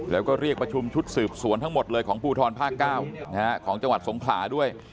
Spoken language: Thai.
แล้วก็เรียกประชุมชุดสืบสวนทั้งหมดเลยของภูทรภาค๙ของจังหวัดสงขลาด้วย